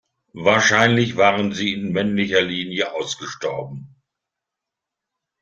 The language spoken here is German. Wahrscheinlich waren sie in männlicher Linie ausgestorben.